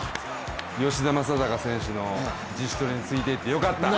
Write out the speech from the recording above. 吉田正尚選手の自主トレについていってよかった！